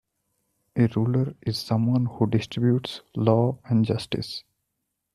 A ruler is someone who "distributes" law and justice.